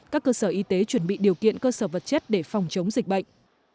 các cơ sở y tế chuẩn bị điều kiện cơ sở vật chất để phòng chống dịch bệnh